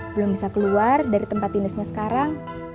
belum bisa keluar dari tempat dinasnya sekarang